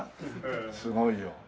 すごいよ。